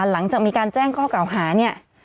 หลังจากมีการแจ้งข้อเก่าหาเนี่ย